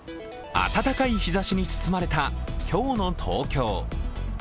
暖かい日ざしに包まれた今日の東京。